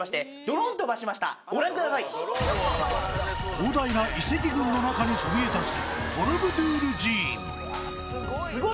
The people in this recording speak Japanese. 広大な遺跡群の中にそびえ立つ